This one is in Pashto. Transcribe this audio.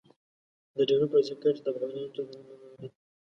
د ډېورنډ فرضي کرښه افغانانو ته د نه منلو ده.